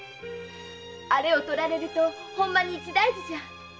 あれを奪われるとほんまに一大事じゃ。